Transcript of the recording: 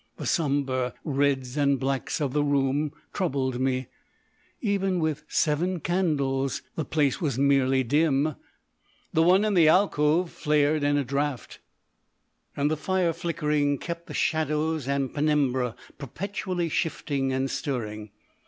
The sombre reds and blacks of the room troubled me; even with seven candles the place was merely dim. The one in the alcove flared in a draught, and the fire flickering kept the shadows and penumbra perpetually shifting and stirring.